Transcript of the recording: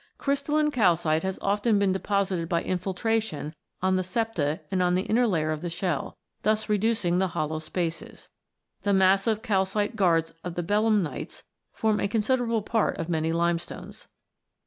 Crystal line calcite has often been deposited by infiltration on the septa and on the inner layer of the shell, thus reducing the hollow spaces. The massive calcite guards of the belemnites form a considerable part of many lime.stones.